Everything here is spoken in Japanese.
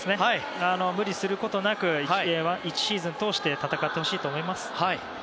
無理することなく１シーズン通して戦ってほしいと思います。